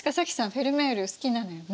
フェルメール好きなのよね。